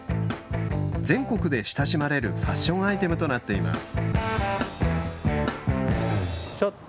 全国で親しまれるファッションアイテムとなっています。